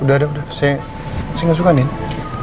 udah udah saya nggak suka nenek